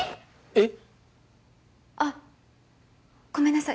えっ？あっごめんなさい。